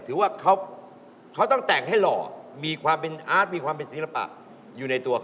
ถือว่าเขาต้องแต่งให้หล่อมีความเป็นอาร์ตมีความเป็นศิลปะอยู่ในตัวเขา